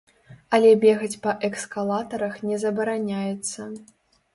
Але бегаць па эскалатарах не забараняецца.